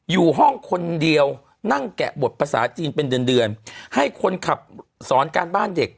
อยู่ห้องคนเดียวนั่งแกะบทภาษาจีนเป็นเดือนเดือนให้คนขับสอนการบ้านเด็ก